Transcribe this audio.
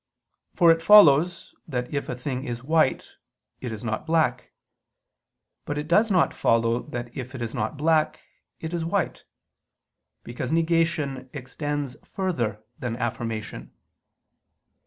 For it follows that if a thing is white, it is not black: but it does not follow that if it is not black, it is white: because negation extends further than affirmation.